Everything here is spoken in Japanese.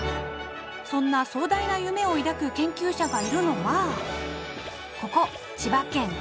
そんな壮大な夢を抱く研究者がいるのはここ千葉県柏市。